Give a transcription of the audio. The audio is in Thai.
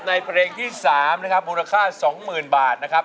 เพลงที่๓นะครับมูลค่า๒๐๐๐บาทนะครับ